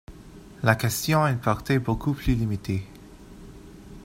La question a une portée beaucoup plus limitée.